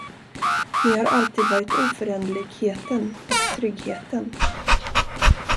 Ni har alltid varit oföränderligheten och tryggheten.